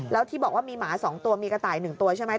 แล้วที่บอกว่ามีหมา๒ตัวมีกระต่าย๑ตัวใช่ไหม